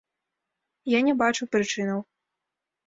Я не бачу прычынаў.